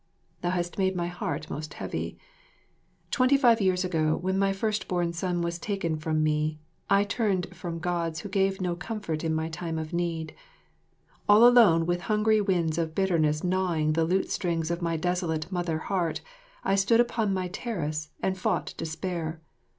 Thou hast made my heart most heavy. Twenty five years ago, when my first born son was taken from me, I turned from Gods who gave no comfort in my time of need: all alone with hungry winds of bitterness gnawing the lute strings of my desolate mother heart, I stood upon my terrace, and fought despair.